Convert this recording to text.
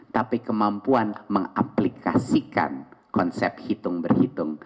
tapi kemampuan mengaplikasikan konsep hitung berhitung